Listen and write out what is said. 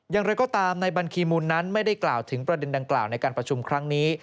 อย่างไรก็ตามในบัญชีมูลนั้นไม่ได้กล่าวถึงประเด็นดังกล่าวในการประชุมครั้งนี้